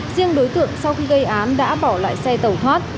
riêng đối tượng sau khi gây án đã bỏ lại xe tàu thoát